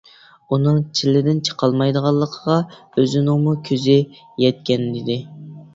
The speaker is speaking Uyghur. ئۇنىڭ چىللىدىن چىقالمايدىغانلىقىغا ئۆزىنىڭمۇ كۆزى يەتكەنىدى.